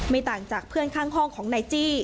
ต่างจากเพื่อนข้างห้องของนายจี้